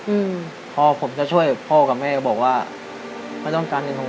อืมพ่อผมจะช่วยพ่อกับแม่ก็ช่วยพ่อกับแม่ก็ช่วยพ่อกับแม่ก็ช่วย